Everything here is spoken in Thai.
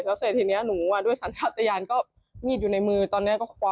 พวกเขาค่ะ